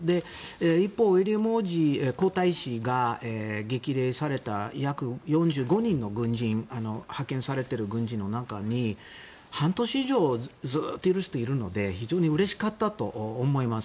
一方、ウィリアム皇太子が激励された約４５人の軍人派遣されている軍人の中に半年以上ずっといる人がいるので非常にうれしかったと思います。